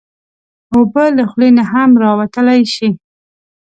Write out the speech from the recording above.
اوبه له خولې نه هم راوتلی شي.